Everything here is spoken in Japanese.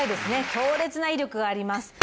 強烈な威力があります。